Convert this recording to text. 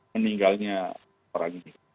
meninggalnya orang ini